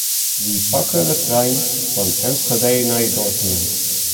Wy pakke de trein fan Enschede nei Dortmund.